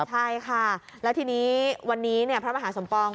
ใช่ค่ะแล้วทีนี้วันนี้พระมหาสมปอง